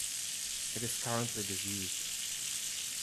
It is currently disused.